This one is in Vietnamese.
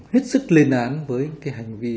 hết sức lên án với cái hành vi